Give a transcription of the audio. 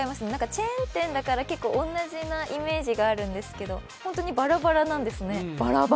チェーン店だから結構同じなイメージがあるんですけど、本当にばらばらなんですね。